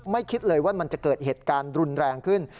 คิดเลยว่ามันจะเกิดเหตุการณ์รุนแรงขึ้น